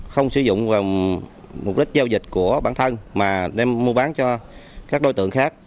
không sử dụng mục đích giao dịch của bản thân mà đem mua bán cho các đối tượng khác